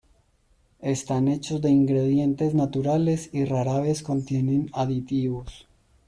Están hechos de ingredientes naturales y rara vez contienen aditivos.